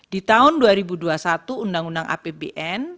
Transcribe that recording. di tahun dua ribu dua puluh satu undang undang apbn